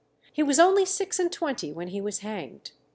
He was only six and twenty when he was hanged.